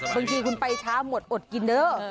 บางทีคุณไปช้าหมดอดกินเด้อ